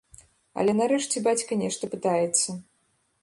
Але нарэшце бацька нешта пытаецца.